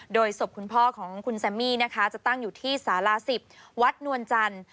โดยศพคุณพ่อของคุณแซมมี่นะคะจะตั้งอยู่ที่สารา๑๐วัดนวลจันทร์